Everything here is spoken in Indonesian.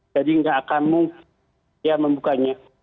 jadi tidak akan membukanya